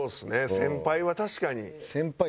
先輩は確かに。